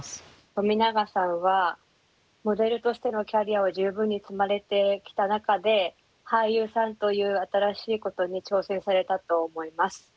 冨永さんはモデルとしてのキャリアを十分に積まれてきた中で俳優さんという新しいことに挑戦されたと思います。